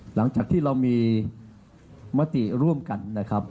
หลังจากที่เรามีมติร่วมกันนะครับ